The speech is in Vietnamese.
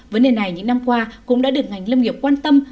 vấn đề này những năm qua cũng đã được ngành lâm nghiệp quan tâm